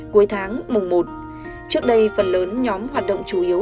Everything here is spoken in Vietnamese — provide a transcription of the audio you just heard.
cuối tháng mùng một trước đây phần lớn nhóm hoạt động chủ yếu